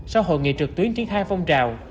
sau hội nghị trực tuyến triển khai phong trào